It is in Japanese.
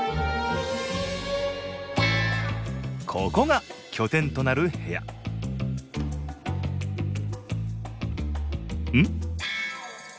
ここが拠点となる部屋うん？